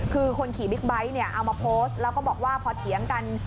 คือคนขี่บิ๊กไบท์เนี่ยเอามาโพสต์แล้วก็บอกว่าพอเถียงกัน